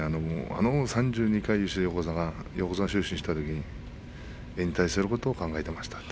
３２回優勝して横綱昇進したときに引退することを考えていました。